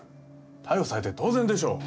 逮捕されて当然でしょう。